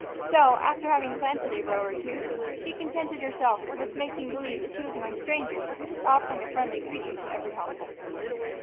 So, after having planted a row or two, she contented herself with making believe she was among strangers and just offering a friendly greeting to every household.